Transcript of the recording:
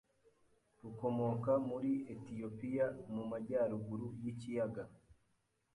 rukomoka muri Etiyopiya mu majyaruguru yikiyaga